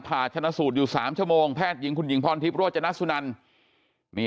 ผ่าชนะสูตรอยู่๓ชั่วโมงแพทย์หญิงคุณหญิงพรทิพย์โรจนสุนัน